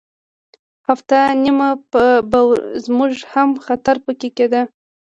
هفته نیمه به زموږ هم خاطر په کې کېده.